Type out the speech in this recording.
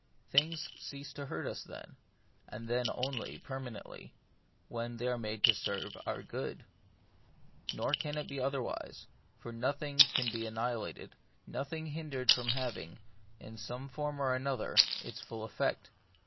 Things cease to hurt ! us then, and then only permanently, when they are made to serve our good. Nor can it I The Mystery of Pain. 85 be otherwise ; for nothing can be annihilated, nothing hindered from having, in some form or other, its full effect.